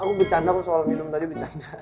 aku bercanda soal minum tadi bercanda